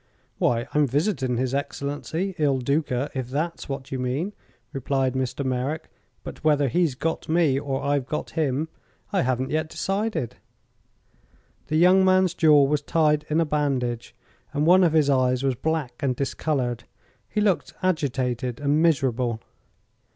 "Why, I'm visiting his excellency, Il Duca, if that's what you mean," replied Mr. Merrick. "But whether he's got me, or I've got him, I haven't yet decided." The young man's jaw was tied in a bandage and one of his eyes was black and discolored. He looked agitated and miserable.